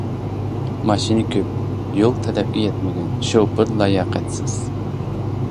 ماشىنا كۆپ، يول تەلەپكە يەتمىگەن، شوپۇر لاياقەتسىز.